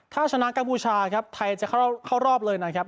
ถ้าชนะกัมพูชาครับไทยจะเข้ารอบเลยนะครับ